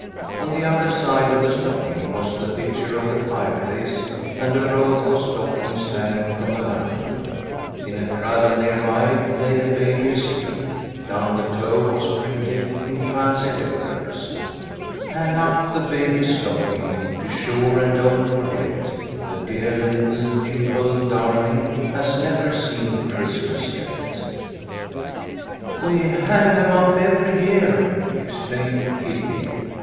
On the other side of the stocking was the picture of the fireplace and a row of stockings hanging from the mantel. In a cradle near by lay a baby asleep. Down on the toe was printed in fancy letters : 2l8 THE LITTLE COLONEL'S HOLIDAYS. M Hang up the baby's stocking, Be sure and don't forget. The dear little dimpled darling Has never seen Christmas yeL w " We hang them up every year," explained Kitty.